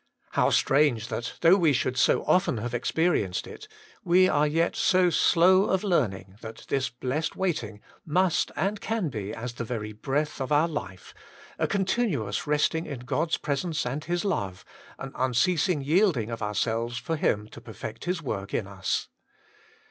How strange that, though we should so often have experienced it, we are yet so slow of learn ing that this blessed waiting must and can be as the very breath of our life, a continuous resting in God's presence and His love, an unceasing yield ing of ourselves for Him to perfect His work in us.